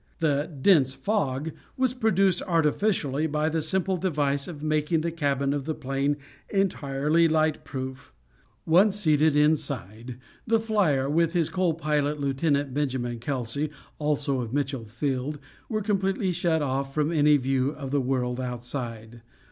The "dense fog" was produced artificially by the simple device of making the cabin of the plane entirely light proof. Once seated inside, the flyer, with his co pilot, Lieut. Benjamin Kelsey, also of Mitchel Field, were completely shut off from any view of the world outside.